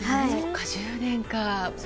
そうか、１０年か。